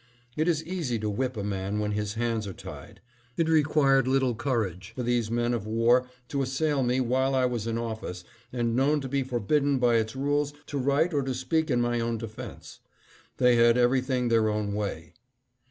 It is easy to whip a man when his hands are tied. It required little courage for these men of war to assail me while I was in office and known to be forbidden by its rules to write or to speak in my own defense. They had everything their own way.